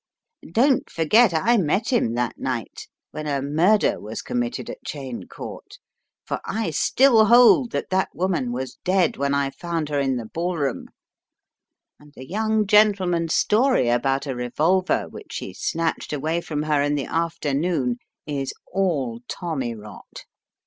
Don't forget I met him that night, when a murder was committed at Cheyne Court. For I still hold that that woman was dead when I found her in the ballroom and the young gentleman's story about a revolver which he snatched away from her in the afternoon is all tommy rot.